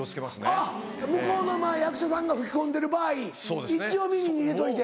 あっ向こうの役者さんが吹き込んでる場合一応耳に入れといて。